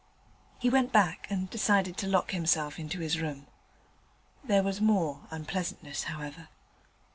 He went back and decided to lock himself into his room. There was more unpleasantness, however.